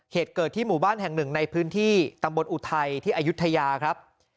เหตุเกิดที่หมู่บ้านแห่งหนึ่งในพื้นที่ตำบลอุทัยที่อายุทยาครับ